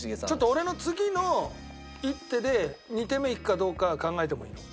俺の次の一手で二手目いくかどうか考えてもいいの？